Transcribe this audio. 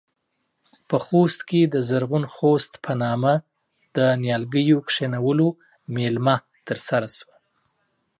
په خوست کې د زرغون خوست په نامه د نيالګيو کښېنولو مېلمه ترسره شوه.